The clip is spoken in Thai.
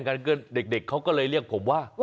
อยู่ร่านกันเกินเด็กเค้าก็เลยเรียกผมว่า